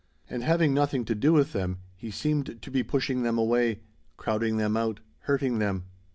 "And having nothing to do with them, he seemed to be pushing them away, crowding them out, hurting them.